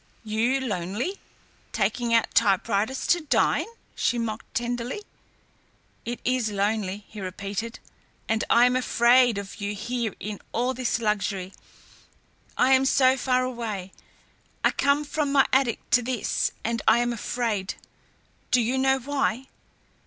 "You lonely, taking out typewriters to dine!" she mocked tenderly. "It is lonely," he repeated, "and I am afraid of you here in all this luxury. I am so far away. I come from my attic to this, and I am afraid. Do you know why?"